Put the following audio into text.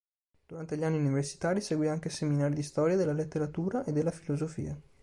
Durante gli anni universitari seguì anche seminari di storia della letteratura e della filosofia.